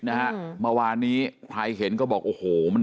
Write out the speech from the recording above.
นะฮะเมื่อวานนี้ใครเห็นก็บอกโอ้โหมัน